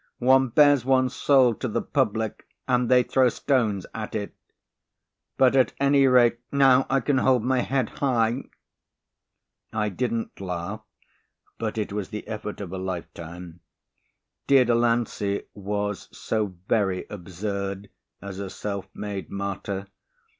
"One bares one's soul to the public and they throw stones at it. But at any rate, now I can hold my head high." I didn't laugh, but it was the effort of a lifetime. Dear Delancey was so very absurd as a self made martyr.